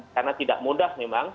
karena tidak mudah memang